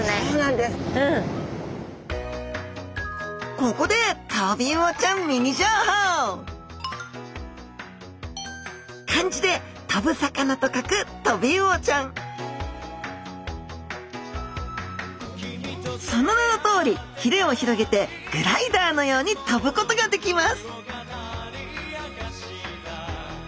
ここでその名のとおりひれを広げてグライダーのように飛ぶことができます